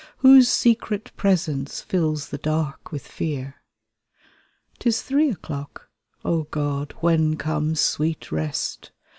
Whose secret presence fills the dark with fear? Tis three o'clock! O God, when comes sweet rest?